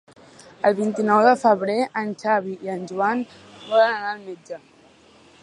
El vint-i-nou de febrer en Xavi i en Joan volen anar al metge.